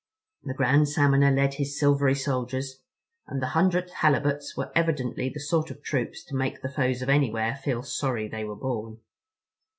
The Grand Salmoner led his silvery soldiers, and the 100th Halibuts were evidently the sort of troops to make the foes of anywhere "feel sorry they were born."